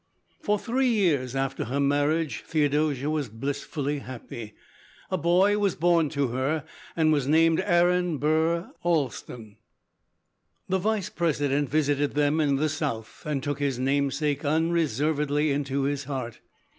For three years after her marriage, Theodosia was blissfully happy. A boy was born to her, and was named Aaron Burr Alston. The Vice President visited them in the South and took his namesake unreservedly into his heart.